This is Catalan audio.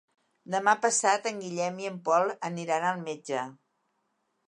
Demà passat en Guillem i en Pol aniran al metge.